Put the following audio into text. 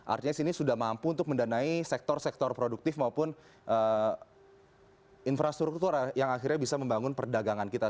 artinya sini sudah mampu untuk mendanai sektor sektor produktif maupun infrastruktur yang akhirnya bisa membangun perdagangan kita